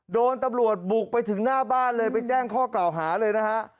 โดนตำรวจบุกไปถึงหน้าบ้านเลยไปแจ้งข้อกล่าวหาเลยนะฮะ